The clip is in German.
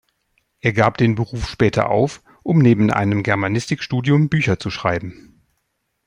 Er gab den Beruf später auf, um neben einem Germanistikstudium Bücher zu schreiben.